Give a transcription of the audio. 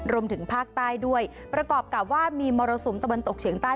รวมถึงภาคใต้ด้วยประกอบกับว่ามีมรสุมตะวันตกเฉียงใต้